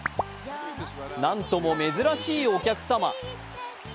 何とも珍しいお客様。